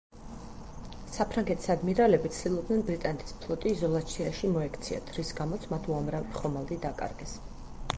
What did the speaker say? საფრანგეთის ადმირალები ცდილობდნენ ბრიტანეთის ფლოტი იზოლაციაში მოექციათ, რის გამოც მათ უამრავი ხომალდი დაკარგეს.